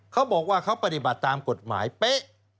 เขาบอกว่าเขาปฏิบัติตามกฎหมายเป๊ะ